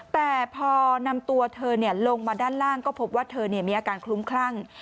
แต่พอนำตัวเธอลงมาด้านล่างก็พบว่าเธอมีอาการคลุ้มคลั่ง